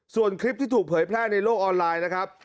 ส่วนคลิปที่ถูกเผยแพร่ในโลกออนไลน์นะครับ